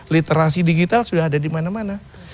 literasi digital sudah ada dimana mana